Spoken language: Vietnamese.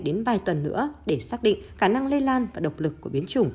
đến vài tuần nữa để xác định khả năng lây lan và độc lực của biến chủng